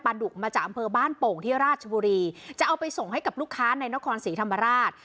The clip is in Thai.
ดุมาจากอำเภอบ้านโป่งที่ราชบุรีจะเอาไปส่งให้กับลูกค้าในนครศรีธรรมราช